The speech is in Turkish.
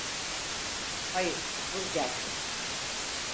Hayır, bu gerçek.